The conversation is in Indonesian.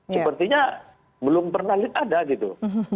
sepertinya belum pernah ada gitu